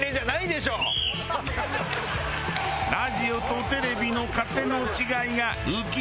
ラジオとテレビの勝手の違いが浮き彫りに！？